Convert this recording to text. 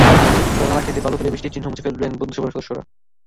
তৎক্ষণাৎ নালা কেটে, বালু ফেলে বৃষ্টির চিহ্ন মুছে ফেললেন বন্ধুসভার সদস্যরা।